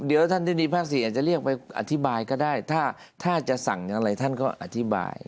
เดี๋ยวท่านที่ดีภาค๔อาจจะเรียกไปอธิบายก็ได้ถ้าจะสั่งอะไรท่านก็อธิบาย